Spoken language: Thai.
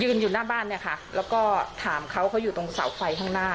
อยู่หน้าบ้านเนี่ยค่ะแล้วก็ถามเขาเขาอยู่ตรงเสาไฟข้างหน้า